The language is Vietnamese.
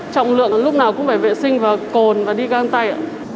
trọng lượng lúc nào cũng phải vệ sinh và cồn và đi găng tay ạ